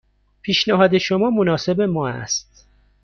پیشنهاد شما مناسب ما است.